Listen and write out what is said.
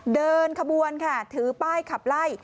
เดินขบวนค่ะถือป้ายขับไล่